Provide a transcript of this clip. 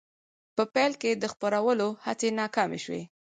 په پیل کې د خپرولو هڅې ناکامې شوې.